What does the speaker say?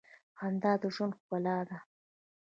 • خندا د ژوند ښکلا ده.